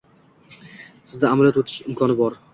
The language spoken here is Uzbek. Sizda amaliyot oʻtash imkoni bor.